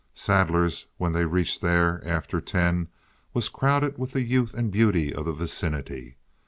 Saddler's, when they reached there after ten, was crowded with the youth and beauty of the vicinity.